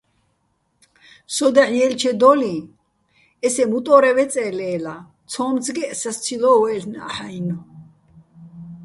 სო დაჰ̦ ჲელჩედო́ლიჼ ესე მუტო́რე ვეწე́ ლე́ლაჼ, ცო́მცგეჸ სასცილო́ ვაჲლ'ნა́ჰ̦-ა́ჲნო̆.